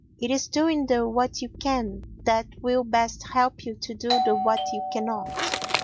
It is doing the What you can that will best help you to do the What you cannot.